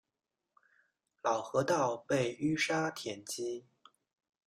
老河道被淤沙填积。